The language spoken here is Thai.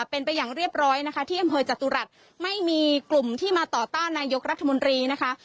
เป็นไปอย่างเรียบร้อยนะคะที่อำเภอจตุรัสไม่มีกลุ่มที่มาต่อต้านนายกรัฐมนตรีนะคะ